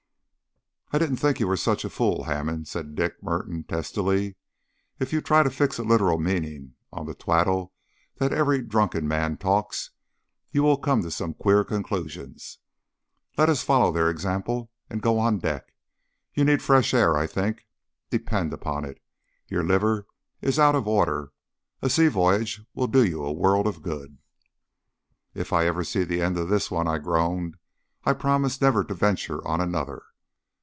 "I didn't think you were such a fool, Hammond," said Dick Merton testily. "If you try to fix a literal meaning on the twaddle that every drunken man talks, you will come to some queer conclusions. Let us follow their example, and go on deck. You need fresh air, I think. Depend upon it, your liver is out of order. A sea voyage will do you a world of good." "If ever I see the end of this one," I groaned, "I'll promise never to venture on another.